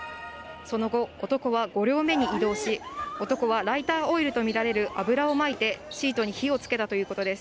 その後、男は５両目に移動し、男はライターオイルと見られる油をまいて、シートに火をつけたということです。